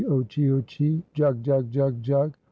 o chio chee! Jug! jug! jug! jug!